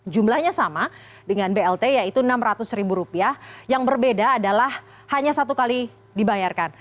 jumlahnya sama dengan blt yaitu rp enam ratus yang berbeda adalah hanya satu kali dibayarkan